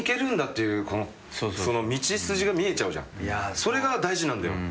それが大事なんだよ。